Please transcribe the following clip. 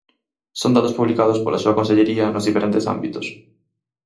Son datos publicados pola súa consellería nos diferentes ámbitos.